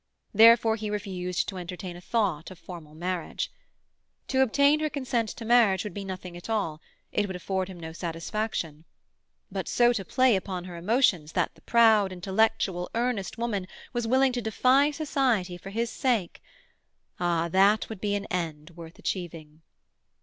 Therefore he refused to entertain a thought of formal marriage. To obtain her consent to marriage would mean nothing at all; it would afford him no satisfaction. But so to play upon her emotions that the proud, intellectual, earnest woman was willing to defy society for his sake—ah! that would be an end worth achieving.